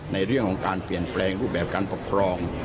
ในเรื่องของการเปลี่ยนแปลงรูปแบบการปกครอง